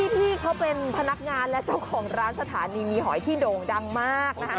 พี่เขาเป็นพนักงานและเจ้าของร้านสถานีมีหอยที่โด่งดังมากนะคะ